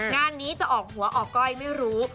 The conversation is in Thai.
งานนี้จะออกหัวออกก้อยไม่รู้